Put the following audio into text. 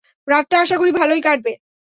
রাতটা আশা করি ভালোই কাটবে।